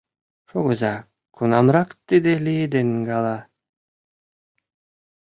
— Шогыза, кунамрак тиде лиеден гала?..